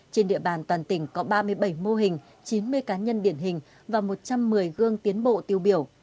trên địa bàn toàn tỉnh có ba mươi bảy mô hình chín mươi cá nhân điển hình và một trăm một mươi gương tiến bộ tiêu biểu